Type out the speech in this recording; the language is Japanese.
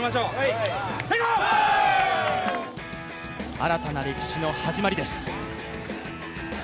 新たな歴史の始まりです。